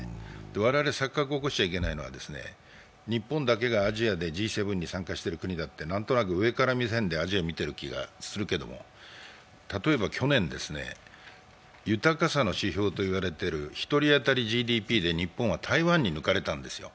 我々、錯覚を起こしてはいけないのは日本だけがＧ７に参加している国だと、何となく上から目線でアジアを見ている気がするけれども、例えば去年、豊かさの指標と言われている１人当たりＧＤＰで日本は台湾に抜かれたんですよ。